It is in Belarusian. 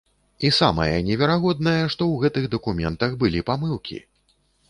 І самае неверагоднае, што ў гэтых дакументах былі памылкі.